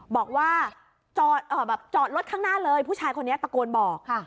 บอกว่าจอดเอ่อแบบจอดรถข้างหน้าเลยผู้ชายคนนี้ตะโกนบอกค่ะ